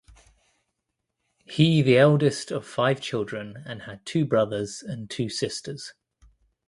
He the eldest of five children and had two brothers and two sisters.